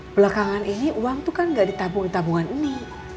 belakangan ini uang itu kan gak ditabung di tabungan ini